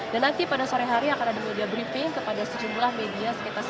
dan nanti pada sore hari akan ada media briefing kepada sejumlah media